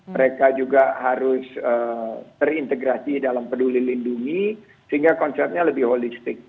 mereka juga harus terintegrasi dalam peduli lindungi sehingga konsepnya lebih holistik